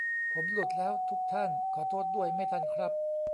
ผมหลุดแล้วทุกท่าน ขอโทษด้วย ไม่ทันครับ